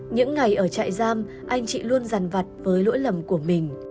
những ngày ở chạy giam anh chị luôn rằn vặt với lỗi lầm của mình